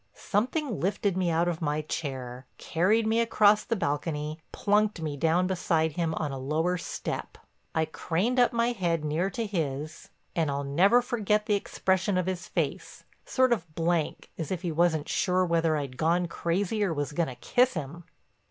Something lifted me out of my chair, carried me across the balcony, plunked me down beside him on a lower step. I craned up my head near to his and I'll never forget the expression of his face, sort of blank, as if he wasn't sure whether I'd gone crazy or was going to kiss him.